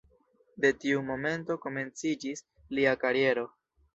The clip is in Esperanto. De tiu momento komenciĝis lia kariero.